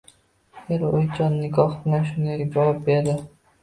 Er o`ychan nigoh bilan shunday javob berdi